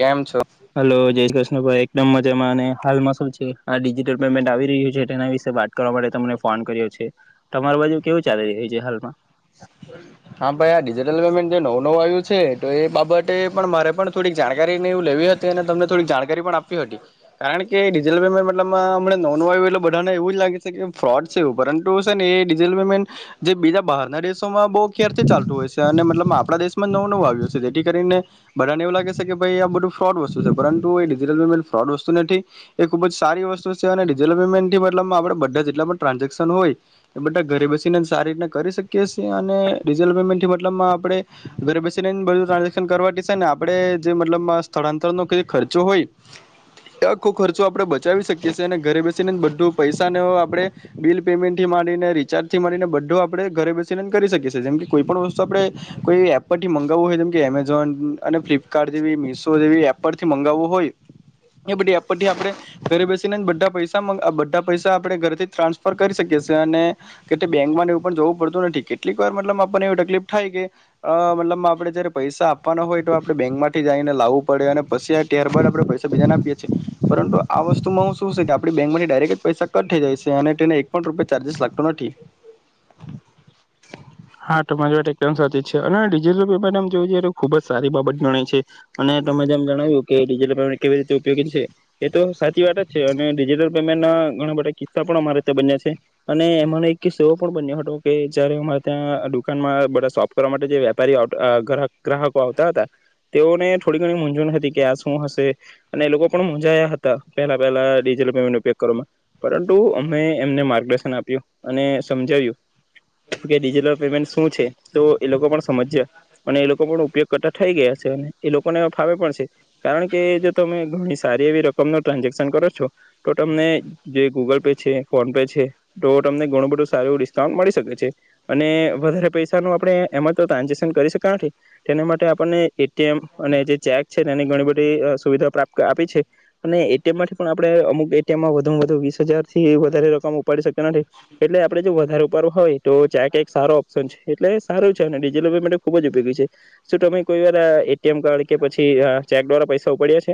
કેમ છો હલો, જય કૃષ્ણ. ભાઈ એકદમ મજામાં. અને હાલમાં શું છે આ ડિજિટલ પેમેન્ટ આવી રહ્યું છે તેના વિશે વાત કરવા માટે તમને ફોન કર્યો છે. તમારા બાજુ કેવું ચાલી રહ્યું છે? જે હાલમાં બ [unintelligible] હા ભાઈ, આ ડિજિટલ પેમેન્ટ જે નવું નવું આવ્યું છે તો એ બાબતે પણ મારે પણ થોડીક જાણકારીને એવું લેવી હતી અને તમને થોડીક જાણકારી પણ આપી હતી. કારણ કે ડિજિટલ પેમેન્ટ મતલબમાં અમને નવું નવું આવ્યું એટલે બધાને એવું જ લાગે છે કે ફ્રોડ છે, એવું પરંતુ સર ને એ ડિજિટલ પેમેન્ટ જે બીજા બહાર નરેશ. માં બહુ ખેરથી ચાલતું હોય છે અને મતલબ. આપણા દેશમાં નવો નવું આવ્યું છે, જેથી કરીને બધાને એવું લાગે છે કે ભાઈ આ બધું ફ્રોડ વસ્તુ છે, પરંતુ એ ડિજિટલ પેમેન્ટ ફ્રોડ વસ્તુ નથી. એ ખુબ જ સારી વસ્તુ છે અને ડિજિટલ પેમેન્ટથી મતલબ આપણેે બધા જેટલા પણ ટ્રાન્ઝેક્શન હોય એ બધા ઘરે બેસીને સારી રીતના કરી શકીએ. કેશ અને ડિજિટલ પેમેન્ટ મતલબમાં આપણે ઘરે બેસીને બધું ટ્રાન્ઝેક્શન કરવા છે. ને આપડે જે મતલબ સ્થળાંતર નો ખર્ચો હોય એ આખો ખર્ચો આપણે બચાવી શકીએ. અને ઘરે બેસીને બધું પૈસા, ને આપણે બિલ પેમેન્ટ થી ડિજિટલ રીચાર્જ થી માંડીને બધો આપે ઘરે બેસી કરી શકે છે, જેમ કે કોઈ પણ વસ્તુ આપણે કોઈ એપ પરથી મગાવવું હોય, જેમ કે એમેઝોન, અને ફ્લિપકાર્ટ જેવી મીશો જે એપ પરથી મગાવું હોય એ બધી એપ પરથી આપણે ઘરે બેસીને બધા પૈસા બધા પૈસા આપણે ઘરેથી જ ટ્રાન્સફર કરી શકીએ. અને કે બેંક ને એવું પણ જવું પડતું નથી. કેટલીક વાર મતલબમા આપણને એવી તકલીફ થાય કે મતલબ આપણે જયારે પૈસા આપવાના હોય, તો આપણે બેંકમાંથી જઈને લાવવું પડે અને પછી ત્યારબાદ આપણે પૈસા બીજાને આપીએ છીએ. પરંતુ આ વસ્તુમાં શું છે કે આપ બેંકમાંથી ડાયરેક્ટ જ પૈસા કટ થઈ જાય છે અને તેને એક પણ રૂપિયા ચાર્જસ લાગતો નથી. હા, તમારી વાત એકદમ સાચી જ છે અને ડિજિટલ પેમેન્ટ એમ જો છેએ તો ખુબ જ સારી બાબત ગણાય છે. અને તમે જેમ જણાવ્યું કે ડિજટલ પેમેન્ટ કેવી રીતે ઉપયોગી છે એ તો સાચી વાત જ છે. અને ડિજિટલ પેમેન્ટના ઘણા બધા કિસ્સા પણ અમારે બન્યા છે અને એમાંનો એક કિસ્સો એવો પણ બન્યો હતો કે જયારે અમારે. ત્યાં દુકાનમાં બધા શોપ કરવા માટે જે વેપારી ગ્રાહકો આવતા હતા, તેઓને થોડી ઘણી મૂઝવણ હતી કે આ શું હશે, અને એ લોકો પણ મુંજાયા હતા. પેલા પહેલા ડીજિટલ પેમેન્ટ ઉપયોગ કરવામાં. પરંતુ અમે એમને માર્ગદર્શન. આપ્યું અને સમજાવ્યું. કે ડિજિટલ પેમેન્ટ શું છે? તો એ લોકો પણ સમજ્યા અને એ લોકો પણ ઉપયોગ કરતા થઈ ગયા છે. અને એ લોકોને ફાવે પણ છે, કારણ કે જો તમે ઘણી સારી એવી રકમ ન ટ્રાન્ઝેક્શન કરો છો તો તમને જે ગૂગલ પે છે, ફોન પે છે, તો તમને ઘણું બધું સારું એ ડિસ્કાઉન્ટ મળી શકે છે. અને વધારે પૈસા ન આપણે એમાં તો ટ્રાન્ઝેક્શન કરી શકાય નથી, તેના માટે આપણને એટીએમ અને જે ચેક છે. તેની ઘણી બધી સુવિધા પ્રાપ્ત આપી છે. અને એટીએમ થી પણ આપણે અમુક એટીએમમાં વધુ વધુ વીસ હજાર થી વધારે રકમ ઉપાડી શકીએ. એટલે આપડે જો ઉપાડવુ હોય તો ચેક કંઈક સારો ઓપ્શન છે એટલે સારું છે અને ડિજિટલ પેમેન્ટ માટે ખુબ જ ઉપયોગી છે. શું તમે કોઈ વાર એટીએમ કાર્ડ કે પછી ચેક દ્વારા પૈસા ઉપાડ્યા છે?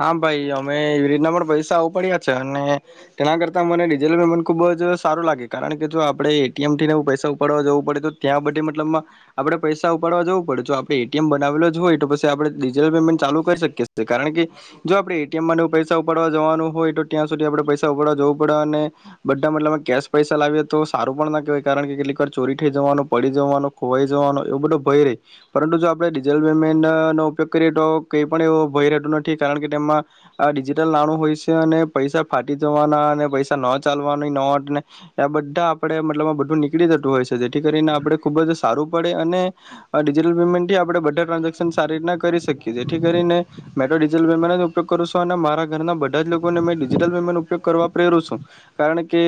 હા ભાઈ, અમે એવી રીતના પણ પૈસા ઉપાડ્યા છે. અને તેના કરતા મને ડિજિટલ પેમેન્ટ ખુબ જ સારું લાગે, કારણ કે જો આપડે એટીએમ થીને પૈસા ઉપાડવા જવું પડે, તો ત્યાં બધી મતલબમાં આપડે પૈસા ઉપાડવા જવું પડે, જો આપડે એટીએમ બનાવેલો જ હોય તો પછી આપડે ડિજિટલ પેમેન્ટ ચાલુ. કરી શકીએ છે કારણ કે જો આપડે એટીએમમાં પૈસા ઉપાડવા જવાનું હોય તો ત્યાં સુધી આપણે પૈસા ઉપાડવા જવું પડે અને બધા મતલબમાં કે પૈસા લાવીએ તો સારું પણ ના કહેવાય કારણ કે કેટલી વાર ચોરી થઈ જવાનું, પડી જવાનો, ખોવાઈ જવાનો, એવો બધો ભય રેહ, પરંતુ જો આપણે ડિજટલ પેમેન્ટ નો ઉપયોગ કરીએ તો. કંઈ પણ એવું ભય રહેતું નથી, કારણ કે તેમાં આ ડિજિટલ નાણું હોય છે અને પૈસા ફાટી જવાના, અને પૈસા ન ચાલવાનું નોટ ને આ બધા આપણેે મતલબમાં બધું નીકળી જતું હોય છે. જેથી કરીને આપણે ખુબ જ સારું પડે અને ડિજિટલ પેમેન્ટ થી આપણે બધા ટ્રાન્ઝેક્શન સારી રીતના કરી શકીએ. કે જેથી કરીને મેં તો ડિજિટલ પેમેન્ટ જ ઉપયોગ કરું છું અને મારા ઘરના બધા જ લોકોને મેં ડિજિટલ પેમેન્ટ ઉપયોગ કરવા પ્રેરું છું, કારણ કે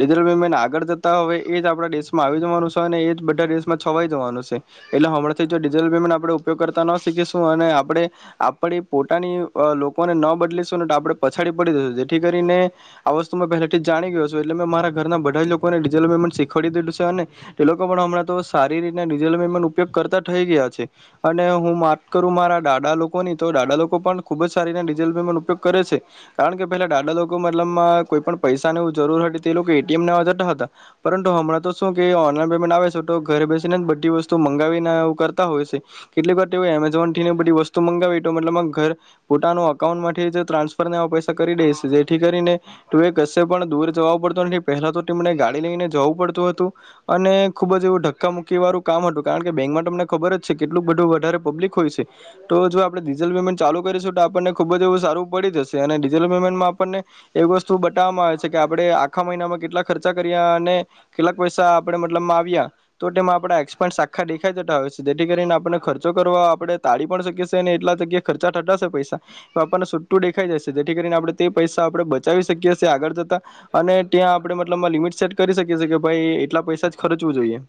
ડિજિટલ પેમેન્ટ આગળ જતાં હવે, એ જ આપણા દેશમાં આવી જવાનું છે, અને એ જ બધા દેશમાં છવાઈ જવાનું છે, એટલે હમણાંથી ડિજિટલ પેમેન્ટ આપણે ઉપયોગ કરતા ન શીખીશું અને આપડે આપડી પોતાની લોકોને ન બદલીશું ને આપે પછાડી પડી દઈશું. જેથી કરીને આ વસ્તુ પહેલાથી જ જાણી ગયો છું, એટલે મેં મારા ઘરના બધા જ લોકો ને ડિજિટલ પેમેન્ટ શીખવાડી દીધું છે. અને એ લોકો પણ હમણાં તો સારી ડીજિટલ પેમેન્ટ ઉપયોગ કરતા થઈ ગયા છે. અને હું માક કરું મારા દાદા લોકો ની તો દાદા લોકો પણ ખુબ જ સારીને ડિજટલ પેમેન્ટ ઉપયોગ કરે છે. કારણ કે પહેલા દાદા લોકો મતલબમાં કોઈ પણ પૈસાને એવું જરૂર હતી, તે લોકો એટીએમ નવા જતા હતા, પરંતુ હમણાં તો શું કે ઓનલાઈન પેમેન્ટ આવે છે. તો ઘરે બેસીને જ બધી વસ્તુ મંગાવીને એ કરતા હોય છે, કેટલીક વાર તેઓ એમેઝોન થી બધી વસ્તુ મંગાવી મતલબ ઘર પોતાનું અકાઉન્ટ માટે ટ્રાન્સફર ને એવા પૈસા કરી દે છે જેથી કરીને તું એ કશે પણ દૂર જવાું પડતું નથી પહેલા તો તને ગાડી લઈને જવું પડતું હતું, અને ખુબ જ એવું ધક્કા મૂકી વાળું કામ હતું કારણ કે બેંકમાં તમને ખબર જ છે, કેટલુંક બધું વધારે પબ્લિક હોય. છે તો જો આપણે ડિજિટલ પેમેન્ટ ચાલુ કરીશું, તો આપણને ખુબ જ એવું સારું પડી જશે, અને ડિજિટલ પેમેન્ટમાં આપણને એવી વસ્તુ બતાવવામાં આવે છે કે આપણે આખા મહિનામાં કેટલા ખર્ચા કર્યા અને કેટલાક પૈસા આપણે મતલબ માં આવ્યા, તો તેમાં આપણા એક્સપસ આખા દેખાઈ જતા હોય છે જેથી કરીને આપણને ખર્ચો કરવા આપણે તાળી પણ શકીએ અને એટલા જગ્યા ખર્ચા થતાં પૈસા આપણને સીધુ દેખાઈ જશે, જેથી કરીને આપણે તે પૈસા આપણે બચાવી શકીએ છીએ આગળ જતા. અને ત્યાં આપણે મતલબ લિમિટ સેટ કરી શકીએ કે ભાઈ, એટલા પૈસા જ ખર્ચવું જોઈએ.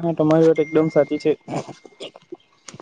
હા, તમારી વાત એકદમ સાચી છે.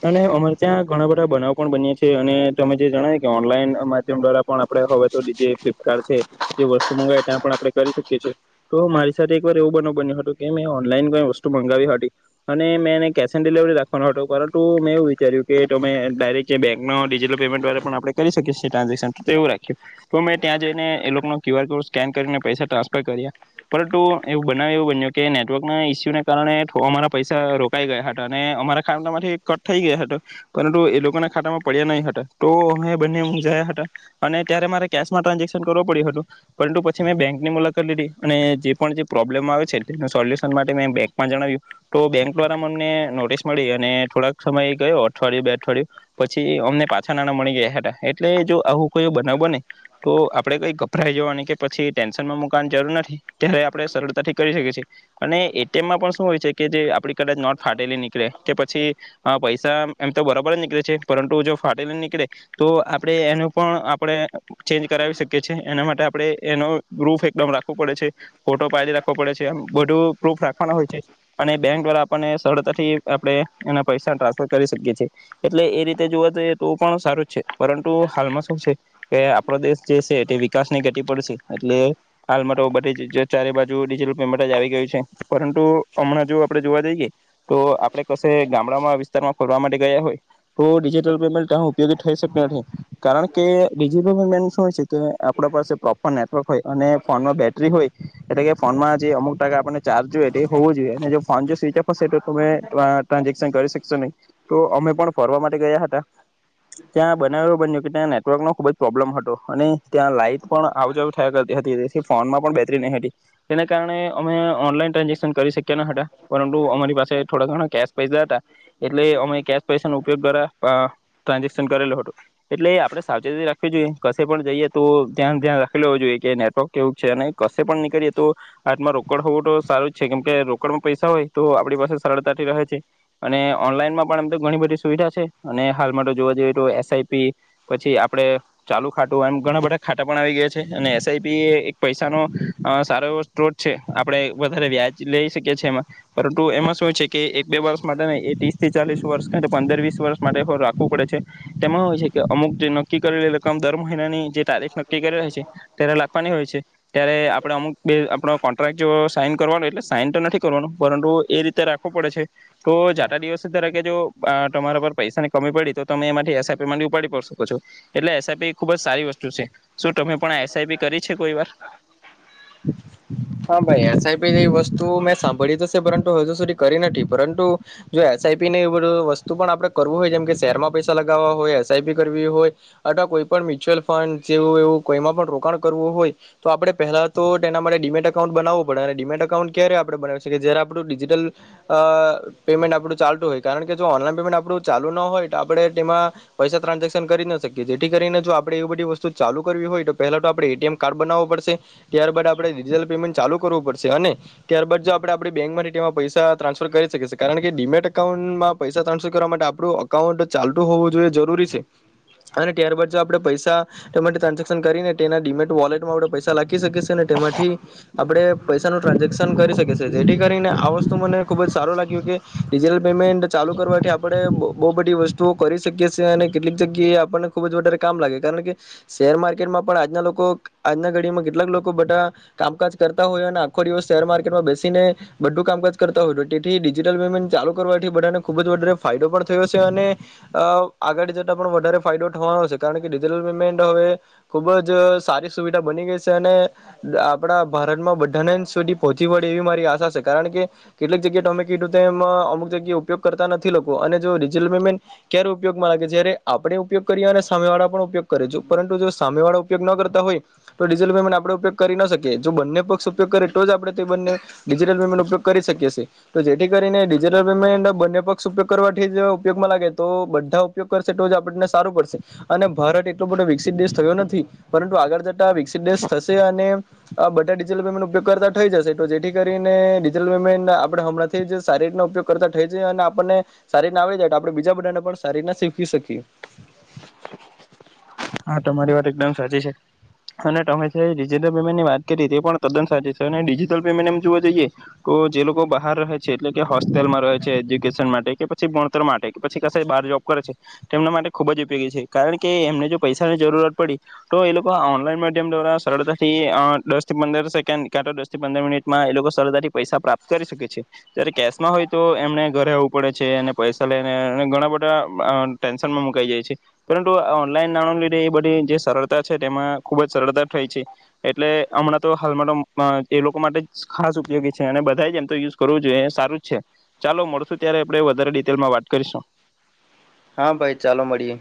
અને અમારે ત્યાં ઘણા બધા બનાવ પણ બનીયા. અને તમે જે જણાવ કે ઓનલાઈન માધ્યમ દ્વારા, પણ આપણે હવે તો ફ્લિપકાર્ટ છે જે વસ્તુ મંગાવ ત્યાં પણ આપણે કરી શકીએ છે, તો મારી સાથે એક વાર એવો બનાવ બન્યો હતો કે મેં ઓનલાઈન કંઈ વસ્તુ મંગાવી હતી અને મેં એને કેશ ઓન ડિલિવરી રાખવાનો હતો, પરંતુ મેં એવું વિચાર્યું કેમે ડાયરેક્ટ બેંકનો ડિજિટલ પેમેન્ટ દ્વારા પણ આપણે કરી શકીએ. ટ્રાન્ઝેક્શન તો એવું રાખ્યું તો મેં ત્યાં જઈને એ લોકોનો ક્યુ આર કોડ સ્કેન કરીને પૈસા ટ્રાન્સફર કર્યા, પરંતુ એવું બનાવ એવું બન્યું કે નેટવર્કના ઈસ્યુને કારણે અમારા પૈસા રોકાઈ ગયા હતા અને અમારા ખાતામાંથી કટ થઈ ગયા હતા પરંતુ એ લોકોના ખાતામાં પડ્યા નહીં હતા તો અમે બંને મુંજાયા હતા અને ત્યારે મારે કેશમાં ટ્રાન્ઝેક્શન કરવો પડ્યું હતું પરંતુ પછી મેં બેંકની મુલાકાત લીધી અને જે પણ જે પ્રોબ્લેમ આવે છે તેનું સોલ્યુશન માટે મેં બેંક જણાવ્યું તો બેંક દ્વારા મમને નોટિસ મળી અને થોડાક સમય ગયો અઠવાડિયું બે અઠવાડિયું પછી અમને પાછા નાના મળી ગયા હતા એટલે જો આવું કોઈ બનાવ બને તો આપડે કઈ ગભરાઈ જવાની કે પછી ટેન્શનમાં મુકવાની જરૂર નથી ત્યારે આપડણે સરળતાથી કરી શકીએ છીએ અને તેમમાં પણ શું હોય છે કે જે આપણી કદાચ નોટ ફાટેલી નીકળે કે પછી પૈસા એમ તો બરાબર જ નીકળે છે પરંતુ જો ફાટેલી નીકળે તો આપણે એનું પણ આપણે ચેન્જ કરાવી શકીએ છીએ એના માટે આપણે એનો પ્રૂફ એકદમ રાખવો પડે છે ફોટો પાયલી રાખવો પડે છેમ બધું પ્રૂફ રાખવું અને બેંક દ્વારા આપને સરળતાથી આપણે એના પૈસા ટ્રાન્સફર કરી શકીએ છીએ એટલે એ રીતે જોવા જઈએ તો પણ સારું જ છે પરંતુ હાલમાં શું છે કે આપડો દેશ જે છે વિકાસ ની ગતિ પડશે એટલે હાલમાં તો બધી જ ચારે બાજુિલ પેમેન્ટ જ આવી ગયું છે પરંતુ હમણાં જો આપણે જોવા જઈએ તો આપણે કશે ગામડામાં વિસ્તારમાં ખોલવા માટે ગયા હોય તો ડિજિટલ પેમેન્ટ ક્યા ઉપયોગી થઈ શકતી નથી કારણ કે ડિજિટલ પેમેન્ટ શું હોય છે કે આપણા પાસે પ્રોપર નેટવર્ક હોય અને ફોનમાં બેટરી હોય એટલે કે ફોનમાં જે અમુક ટકા આપણે ચાર્જ જોઈએ તે હોવું જોઈએ અને જો ફોન જો સ્વિચ ઓફ હશે તો તમે ટ્રાન્ઝેક્શન કરી શકશો નહીં તો અમે પણ ફરવા માટે ગયા હતા ત્યાં બનાવ એવ બન્યું કે ત્યાં નેટવર્કનો ખૂબ જ પ્રોબ્લમ હતો અને ત્યાં લાાઈટ પણ આવજાવું થયા કરતી હતી તે ફોનમાં પણ બેટરી નહી હતી તેને કારણે અમે ઓનલાન ટ્રન્જક્શન કરી શક્યા ના સાટડા પરંતુ અમારી પાસે થોડા ઘણા કેશ પૈસા હતા એટલે અમે કેશ પૈસા નો ઉપયોગ દ્વારા ટ્રાન્ઝેક્શન કરેલો હતું એટલે આપડણે સાવચેતી રાખવી જોઈએ કશે પણ જઈએ તો ધ્યાન ધ્યાન રાખી લેવું જોઈએ કે નેટવર્ક કેવું છે અને કશે પણ નીકળીએ તો હાથમાં રોકડ હોવો સારું જ છે કેમ કે રોકડ પૈસા હોય તો આપણી પાસે સરળતાથી રહે છે અને ઓનલાઈનમાં પણ એમ તો ઘણી બધી સુવિધા છે અને હાલમાં જોવા જઈએ તો એસઆઈપી પછી આપડે ચાલુ ખાટુંય એમ ઘણા બધા ખાટા પણ આવી ગયા છે અને એસઆઈપી એ એક પૈસાનોો સારો એવો સોત છે આપણે વધારે વ્યાજ લઈ શકીએ છીએ એમાં પરંતુ એમાં શું હોય છે કે એક બે વર્ષ માટે ને એ ત્રીસ થી ચાલીસ વર્ષ કાર પંદર વીસ વર્ષ માટે રાખવું પડે છે તેમાંય છે કે અમુક જે નક્કી કરેલી રકમ દર મહિનાની જે તારીફ નક્કી કરી હોય છે ત્યારે લખવાની હોય છે ત્યારે આપડ અમુક બે આપણો કોન્ટ્રાક જો સાઈન કરવાનું એટલે સાઈન તો નથી કરવાનું પરંતુ એ રીતે રાખવો પડે છે તો જાતા દિવસસે ધરા કે જો તમારા પર પૈસા ની કમી પડી તો તમે એમાંથી એસઆઈપી માટે ઉપાડી પ શકો છો એટલે એસઆઈપી ખુબ જ સારી વસ્તુ છે શું તમે પણ એસઆઈપી કરી છે કોઈ વાર હ ભાઈ એસઆઈપી જે વસ્તુ મેં સાંભળી તો છે પરંતુ હજુ સુધી કરી નથી પરંતુ જો એસઆઈપી ને વસ્તુ પણ આપડણે કરવું હોય જેમ કે શેરમાં પૈસા લગાવવા હોય એસઆઈપી કરવી હોય અથવા કોઈ પણ મ્યુચ્યુઅલ ફંડ જેવું એવું કોઈમાં પણ રોકાણ કરવું હોય તો આપણે પહેલા તો તેના માટેડીમેટ અાઉન્ટ બનાવું પડે અને ડીમેટ અાઉન્ટ ક્યારે આપણે બનાવી શએ જય્યારે આપણું ડિજિટલ અ પેમેન્ટ આપણું ચાલતું હોય કારણ કે જો ઓનલાઈન પેમેન્ટ આપણું ચાલુ ન હોય તો આપણે તેમાં પૈસા ટ્રાન્ઝેક્શન કરી ના શકીએ જેથી કરીને જો આપણે એવી બધી વસ્તુ ચાલુ કરવી હોય તો પહેલા તો આપણે એટીએમ કાર્ડ બનાવવું પડશે ત્યારબદ આપણે ડિજિટલ પેમેન્ટ ચાલુ કરવું પડશે અને ત્યારબાદ જો આપણે આપણી બેંક માં તેમાં પૈસા ટ્રાન્સફર કરી શકી કારણ કે ડીમેટ અઉન્ટમાં પૈસા ટ્રાન્સફર કરવા માટે આપણું અકાઉન્ટ ચાલતું હોવું જોઈએ જરૂરી છે અને ત્યારબાદ જો આપણે પૈસા ટ્રાન્સેેક્શન કરીને તેના ડીમેટ વોલેટમાં આપણે પૈસા લાગ કી શકે છે ને તેમાંથી આપણે પૈસાનું ટ્રાન્ઝેક્શન કરી શકીએીએ જેથી કરીને આ વસ્તુ મને ખુબ જ સારું લાગ્યું કે ડિજીિટલ પેમેન્ટ ચાલુ કરવાથી આપણે બહુ બધી વસ્તુઓ કરી શકીએી અને કેટલીક જગ્યાએ એ આપણને ખુબ જ વધારે કામ લાગે કારણ કે શેર માર્કેટમાં પણ આજના લોકો આજના ઘડીમાં કેટલાક લોકો બધા કામકાજ કરતા હોય અને આખો દિવસ શેર માર્કેટમાં બેસીને બધું કામકાજ કરતા હોય તો તેથી ડિજિટલ પેમેન્ટ ચાલુ કરવાથી બધાને ખૂબ જ વધારે ફાયદો પણ થયો છે અને આગળ જતા પણ વધારે ફાયદો થવાનો છે કારણ કે ડિજિટલ પેમેન્ટ હવે ખૂબ જ સારી સુવિધા બની ગઈ છે અને આપણા ભારતમાં બધાને સુધી પહોંચી વડે એવી મારી આશા છે કારણ કેટલીક જગ્યાએ ટોમેિકટમાં અમુક જગ્યાએ ઉપયોગ કરતા નથી લખ અને જો ડિજિટલ પેમેન્ટ ક્યારે ઉપયોગમાં લાગે જય્યારે આપણે ઉપયોગ કરીએ અને સામે વાળા પણ ઉપયોગ કરેું પરંતુ જો સામે વાળા ઉપયોગ ન કરતા હોય તો ડિજિલ પેમેન્ટ આપણે ઉપયોગ કરી ના શકીએ જો બંને પક્ષ ઉપયોગ કરીે તો જ આપણે તે બંને ડિજિટલ પેમેન્ટ ઉપયોગ કરી શકીએી તો જેથી કરીને ડિજિટલ પેમેન્ટ બંને પક્ષ ઉપયોગ કરવાથી જ ઉપયોગમાં લાગે તો બધા ઉપયોગ કરશે તો જ આપણને સારું પડશે અને ભારત વિકસિત દેશ થયો નથી પરંતુ આગળ જતા વિકસિત દેશ થશે અને આ બધા ડિજિટલ પેમેન્ટ ઉપયોગ કરતા થઈ જશે તો જેથી કરીને ડિજિટલ પેમેન્ટ આપણે હમણાંથી જ સારી રીતના ઉપયોગ કરતા થઈ જાય અને આપણને સારી રીતના આવી જાય આપણે બીજા બધાને પણ સારી રીતના શીખી શકીએ હા તમારી વાત એકદમ સાચી છે અને તમે ડિજિટલ પેમેન્ટની વાત કરી તે પણ તદ્દન સાચી છે અને ડિજિટલ પેમેન્ટ એમ જોવા જઈએ તો જે લોકો બહાર રહે છે એટલે કે હોસ્ટેલમાં રહે છે એજ્યુકેશન માટે કે પછી ભણતર માટે પછી ક બહાર જોબ કરે છે તેમના માટે ખુબ જ ઉપયોગી છે કારણ કે એમને જો પૈસાની જરૂરત પડી તો એ લોકો ઓનલાઈન માધ્યમ દ્વારા સરળતાથી દસ થી પંદર સેકન્ડ કાં દસ થી પંદર મિનિટમાં એ લોકો સરળતાથી પૈસા પ્રાપ્ત કરી શકે છે જ્યારે કેશમાં હોય તો એમને ઘરે આવવું પડે છે અને પૈસા લઈને ઘણા બધા ટેન્શનમાં મુકાઈ જાય છે પરંતુ ઓનલાઈન ના લીધે એ બધી જે સરળતા છે તેમાં ખુબ જ સરળતા થાય છે એટલે હમણાં તો હાલમાં એ લોકો માટે જ ખાસ ઉપયોગી છે અને બધા જ એમ તો યુઝ કરવું જોઈએ એ સારું જ છે ચાલો મળશું ત્યારે આપણે વધારે ડિટેલમાં વાત કરીશું હા ભાઈ ચાલો મળીએ